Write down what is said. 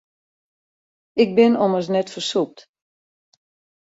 Ik bin ommers net fersûpt.